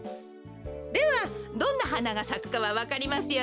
ではどんなはながさくかはわかりますよね？